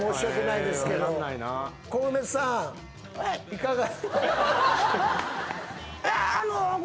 いかが？